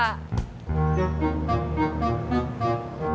cuma berdoa kepada tuhan